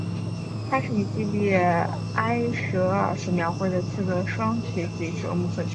它是一系列埃舍尔所描绘的四个双曲几何木刻之一。